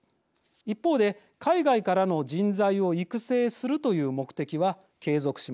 一方で海外からの人材を育成するという目的は継続します。